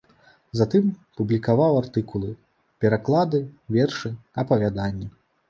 Затым публікаваў артыкулы, пераклады, вершы, апавяданні.